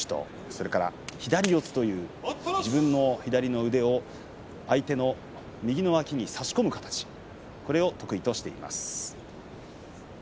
そして左四つという自分の左の腕を相手の右の脇に差し込む形、これを得意としています。